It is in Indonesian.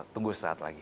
tunggu sekejap lagi